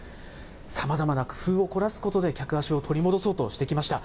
さまざまな工夫を凝らすことで客足を取り戻そうとしてきました。